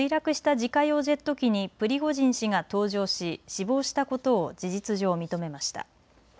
自家用ジェット機にプリゴジン氏が搭乗し死亡したことを事実上、認めました。